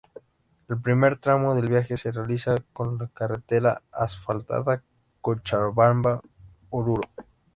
El primer tramo del viaje, se realiza por la carretera asfaltada Cochabamba-Oruro.